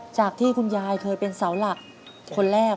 จากที่คุณยายเคยเป็นเสาหลักคนแรก